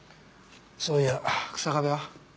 そういや草壁は？